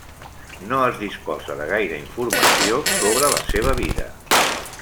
No es disposa de gaire informació sobre la seva vida.